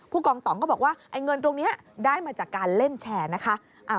กองต่องก็บอกว่าไอ้เงินตรงนี้ได้มาจากการเล่นแชร์นะคะ